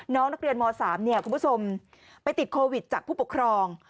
น้องนักเรียนม๓คุณผู้ชมไปติดโควิดจากผู้ปกครอง